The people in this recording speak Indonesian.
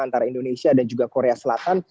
antara indonesia dan juga korea selatan